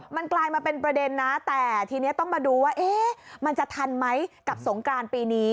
มันกลายมาเป็นประเด็นนะแต่ทีนี้ต้องมาดูว่ามันจะทันไหมกับสงกรานปีนี้